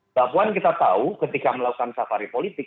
mbak puan kita tahu ketika melakukan safari politik